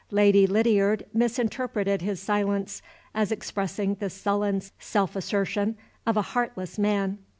Lady Lydiard misinterpreted his silence as expressing the sullen self assertion of a heartless man.